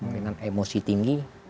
dengan emosi tinggi